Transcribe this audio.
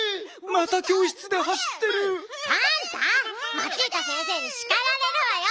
マチータ先生にしかられるわよ！